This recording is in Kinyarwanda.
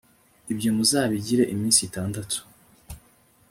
ibyo muzabigire iminsi itandatu